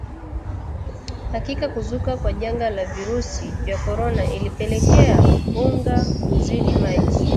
Hakika kuzuka kwa janga la virusi vya korona ilipelekea unga kuzidi maji